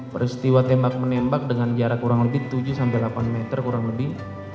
peristiwa tembak menembak dengan jarak kurang lebih tujuh sampai delapan meter kurang lebih